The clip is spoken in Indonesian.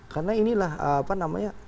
karena inilah apa namanya